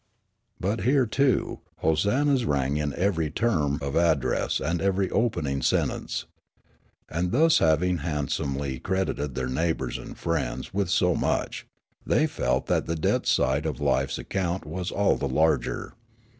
But here, too, hosannas rang in every term of address and every opening sentence. And thus having hand somely credited their neighbours and friends with so much, they felt that the debit side of life's account was all the larger.